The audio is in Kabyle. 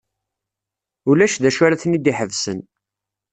Ulac d acu ara ten-id-iḥebsen.